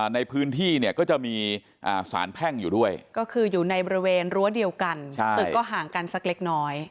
ในพื้นที่เนี่ยก็จะมีสารแพ่งอยู่ด้วยก็คืออยู่ในบริเวณรั้วเดียวกันตึกก็ห่างกันสักเล็กน้อย